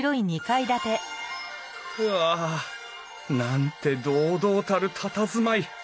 うわなんて堂々たるたたずまい。